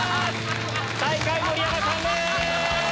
最下位盛山さんです！